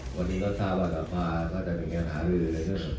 โวลยีดอัลซ้าวาสภาพจะเป็นงานหารื้อในเรื่องของ